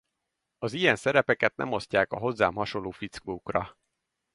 Az ilyen szerepeket nem osztják a hozzám hasonló fickókra.